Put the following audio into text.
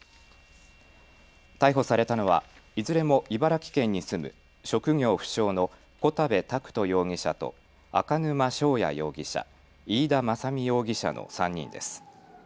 逮捕されたのはいずれも茨城県に住む職業不詳の小田部拓斗容疑者と赤沼翔哉容疑者、飯田政実容疑者の３人です。